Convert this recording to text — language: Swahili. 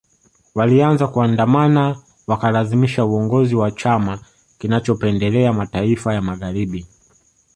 Walianza kuandamana wakalazimisha uongozi wa chama kinachopendelea mataifa ya Magharibi